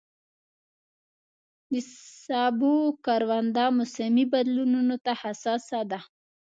د سبو کرونده موسمي بدلونونو ته حساسه ده.